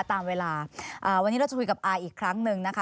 ตามเวลาวันนี้เราจะคุยกับอาอีกครั้งหนึ่งนะคะ